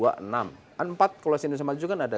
enam kan empat kalau di indonesia maju kan ada